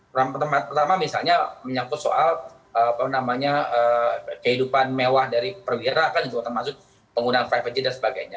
pertama misalnya menyakut soal kehidupan mewah dari perwira kan juga termasuk penggunaan privasi dan sebagainya